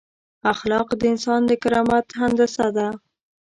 اخلاق د انسان د کرامت هندسه ده.